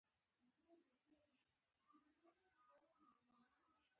کله چې حقیقت معلوم شو لاګرانژ د صوفي ملاتړ وکړ.